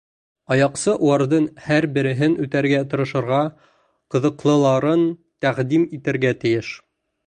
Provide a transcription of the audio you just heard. Аяҡсы уларҙың һәр береһен үтәргә тырышырға, ҡыҙыҡлыларын тәҡдим итергә тейеш.